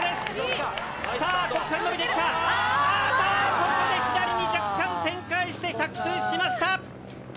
ここで左に若干旋回して着水しました。